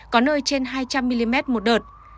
có nơi trên hai trăm linh mm một đợt